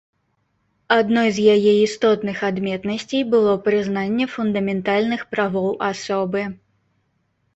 Адной з яе істотных адметнасцей было прызнанне фундаментальных правоў асобы.